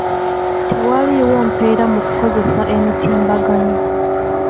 Tewaliiwo mpeera mu kukozesa emitimbagano.